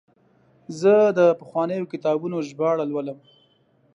زه د پخوانیو کتابونو ژباړه لولم.